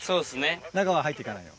中は入っていかないよ。